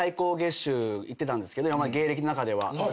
芸歴の中では。